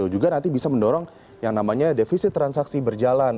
juga nanti bisa mendorong yang namanya defisit transaksi berjalan